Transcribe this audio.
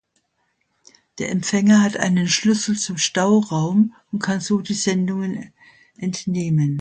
Der Empfänger hat einen Schlüssel zum Stauraum und kann so die Sendungen entnehmen.